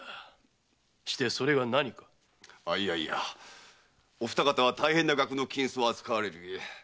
いやいやお二方は大変な額の金子を扱われるゆえ